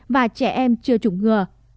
và trẻ em chưa trùng ngừa